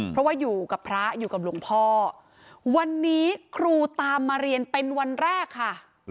เพราะว่าอยู่กับพระอยู่กับหลวงพ่อวันนี้ครูตามมาเรียนเป็นวันแรกค่ะ